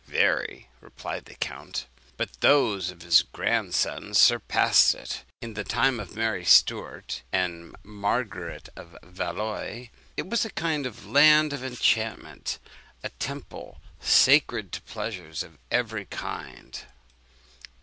'Very,' replied the count; 'but those of his grandsons surpassed it. In the time of Mary Stuart and Margaret of Valois, it was a land of enchantment a temple sacred to pleasures of every kind.'